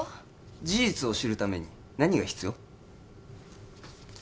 事実を知るために何が必要？